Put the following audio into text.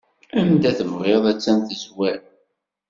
Anda tebɣiḍ attan tezwar.